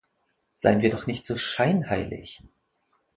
Seien wir doch nicht so scheinheilig!